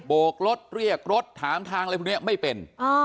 โกกรถเรียกรถถามทางอะไรพวกนี้ไม่เป็น